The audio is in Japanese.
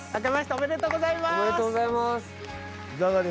おめでとうございます。